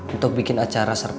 untuk bikin acara sebuah